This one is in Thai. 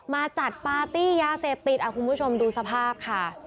มาจัดปาร์ตี้ยาเสพติดคุณผู้ชมดูสภาพค่ะ